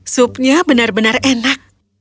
supnya benar benar enak